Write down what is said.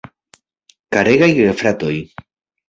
Karegaj gefrafoj!